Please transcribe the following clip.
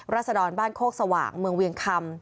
ศดรบ้านโคกสว่างเมืองเวียงคำ